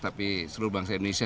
tapi seluruh bangsa indonesia